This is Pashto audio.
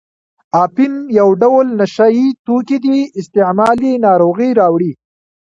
اپین یو ډول نشه یي توکي دي استعمال یې ناروغۍ راوړي.